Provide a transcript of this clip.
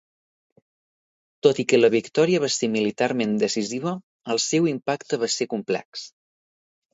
Tot i que la victòria va ser militarment decisiva, el seu impacte va ser complex.